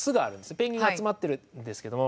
ペンギンが集まってるんですけれども。